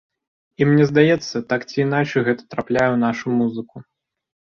І мне здаецца, так ці іначай гэта трапляе ў нашу музыку.